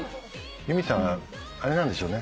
結海さんあれなんでしょうね。